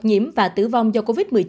nhiễm và tử vong do covid một mươi chín